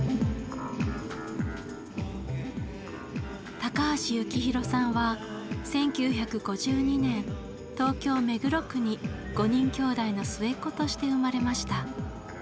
高橋幸宏さんは１９５２年東京・目黒区に５人兄弟の末っ子として生まれました。